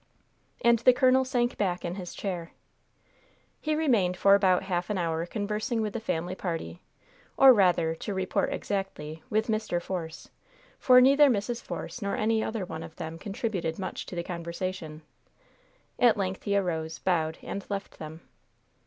And the colonel sank back in his chair. He remained for about half an hour conversing with the family party, or rather, to report exactly, with Mr. Force, for neither Mrs. Force nor any other one of them contributed much to the conversation. At length he arose, bowed and left them.